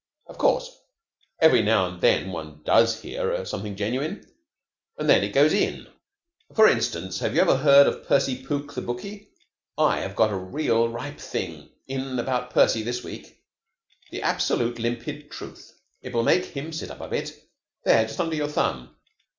Of course, every now and then one does hear something genuine, and then it goes in. For instance, have you ever heard of Percy Pook, the bookie? I have got a real ripe thing in about Percy this week, the absolute limpid truth. It will make him sit up a bit. There, just under your thumb."